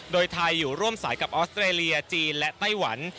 โดยไทยอยู่ร่วมสายกับออสเตรเลียจีนและไต้หวัน